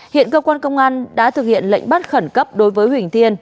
hiện cơ quan công an đã thực hiện lệnh bắt khẩn cấp đối với huỳnh thiên